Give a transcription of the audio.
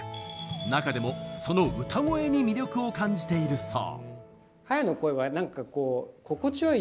中でも、その歌声に魅力を感じているそう。